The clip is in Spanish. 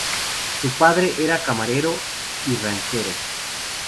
Su padre era camarero y ranchero.